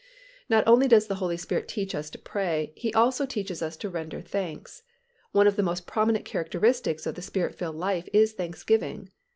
Not only does the Holy Spirit teach us to pray, He also teaches us to render thanks. One of the most prominent characteristics of the Spirit filled life is thanksgiving.